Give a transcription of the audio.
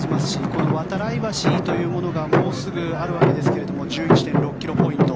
この度会橋というものがもうすぐあるわけですが１１．６ｋｍポイント。